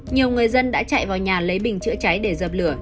nhiều người dân đã chạy vào nhà lấy bình chữa cháy để dập lửa